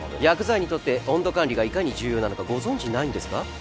薬剤にとって温度管理がいかに重要なのかご存じないんですか？